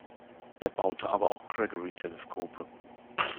Er baute aber auch Gregory-Teleskope.